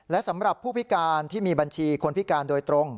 และสำหรับผู้พิการที่มีบัญชีคนพิการโดยตรง